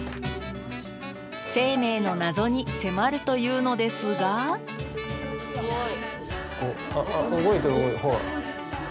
生命の謎に迫るというのですがあっ